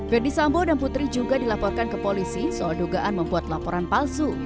verdi sambo dan putri juga dilaporkan ke polisi soal dugaan membuat laporan palsu